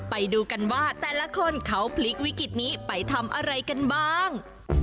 ไปดูกันว่าแต่ละคนเขาพลิกวิกฤตนี้ไปทำอะไรกันบ้าง